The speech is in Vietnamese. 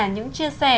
những chia sẻ